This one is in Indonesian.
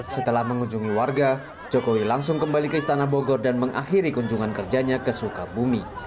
setelah mengunjungi warga jokowi langsung kembali ke istana bogor dan mengakhiri kunjungan kerjanya ke sukabumi